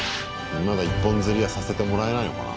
まだ一本釣りはさせてもらえないのかな？